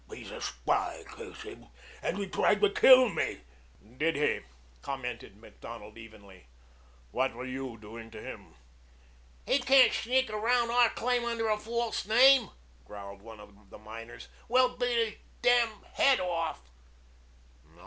"He's a spy, curse him. And he tried to kill me." "Did he?" commented Macdonald evenly. "What were you doing to him?" "He can't sneak around our claim under a false name," growled one of the miners. "We'll beat his damn head off."